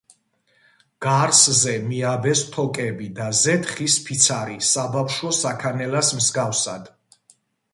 გარსზე მიაბეს თოკები და ზედ ხის ფიცარი საბავშვო საქანელას მსგავსად.